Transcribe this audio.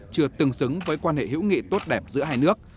chưa tương xứng với quan hệ hữu nghị tốt đẹp giữa hai nước